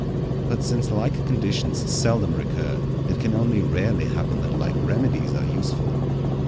But since like conditions seldom recur, it can only rarely happen that like remedies are useful.